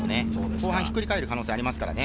後半ひっくり返る可能性がありますからね。